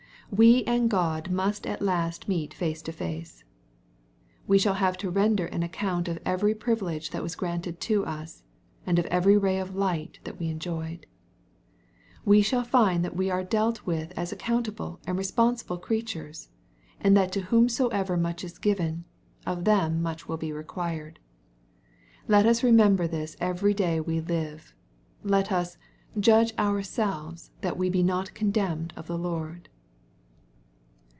We and Grod must at last meet face to face. We shall have to render an account of every privilege, that was granted to us, and of every ray of light that we enjoyed. We shall find that we are dealt with as accountable and responsible creatures, and that to whomsoever much is given, of them much wiU be required. Let us remember this every day we Uve. Let us '^ judge ourselves that we be not condemned of the Lord."